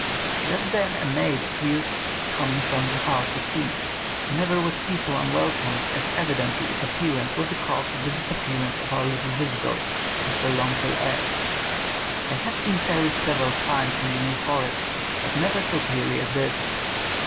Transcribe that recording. Just then a maid appeared coming from the house with tea. Never was tea so unwelcome, as evidently its appearance was the cause of the disappearance of our little visitors." Mr. Lonsdale adds, "I have seen fairies several times in the New Forest, but never so clearly as this."